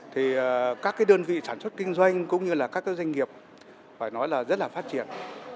thì các đơn vị sản xuất kinh doanh cũng như là các doanh nghiệp phải nói là rất là phát triển